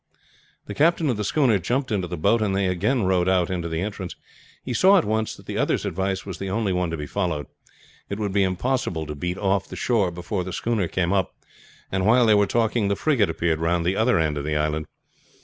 The captain of the schooner jumped into the boat, and they again rowed out into the entrance. He saw at once that the other's advice was the only one to be followed. It would be impossible to beat off the shore before the schooner came up and while they were talking the frigate appeared round the other end of the island.